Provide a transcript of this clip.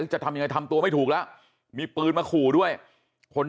จะทำยังไงทำตัวไม่ถูกแล้วมีปืนมาขู่ด้วยคน